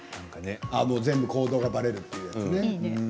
全部行動がばれるというやつね。